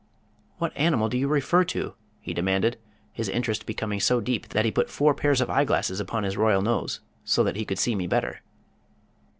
"What animal do you refer to?" he demanded, his interest becoming so deep that he put four pairs of eyeglasses upon his royal nose, so that he could see me better.